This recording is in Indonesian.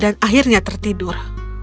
dan akhirnya dia tertidur